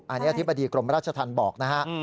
อันนี้อธิบดีกรมราชธรรมบอกนะฮะ